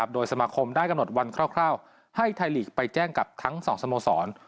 โดยสมาคมได้กำหนดวันคร่าวให้ไทยลีกไปแจ้งกับทั้ง๒สโมสร